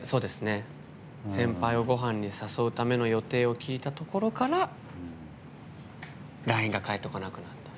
先輩をごはんに誘うための予定を聞いたところからＬＩＮＥが返ってこなくなった。